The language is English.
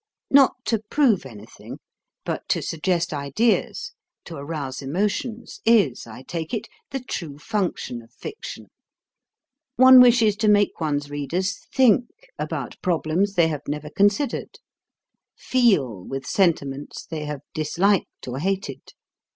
Not to prove anything, but to suggest ideas, to arouse emotions, is, I take it, the true function of fiction. One wishes to make one's readers THINK about problems they have never considered, FEEL with sentiments they have disliked or hated.